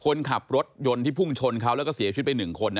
คนขับรถยนต์ที่พุ่งชนเขาแล้วก็เสียชีวิตไป๑คน